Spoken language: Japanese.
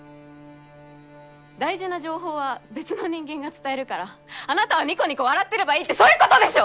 大事な情報は別の人間が伝えるからあなたはニコニコ笑ってればいいってそういうことでしょ！？